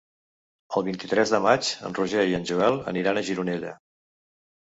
El vint-i-tres de maig en Roger i en Joel aniran a Gironella.